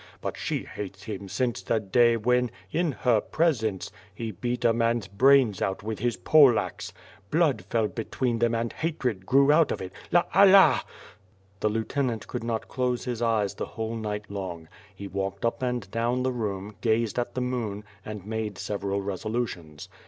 But she hates him since the day, when, in her presence, he beat a man's brains out with his pole axe. Blood fell between them and hatred grew out of it. La Allah!" The lieutenant could not close his eyes the whole night long. He walked up and down the room, gazed at the moon, and made several resolutions.